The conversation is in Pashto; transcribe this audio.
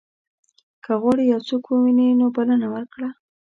که غواړې یو څوک ووینې نو بلنه ورکړه.